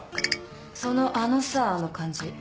その「あのさ」の感じ